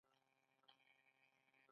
آیا د ایران غالۍ بافي هنر نه دی؟